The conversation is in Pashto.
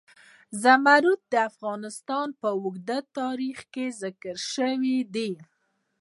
زمرد د افغانستان په اوږده تاریخ کې ذکر شوی دی.